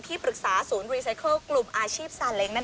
ที่บริกษาศูนย์รีไซเคิลกลุ่มอาชีพสารเหล้งนั่นเอง